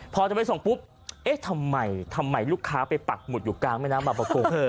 พอจะไปส่งปุ๊บเอ๊ะทำไมทำไมลูกค้าไปปักหมุดอยู่กลางแม่น้ำบางประกง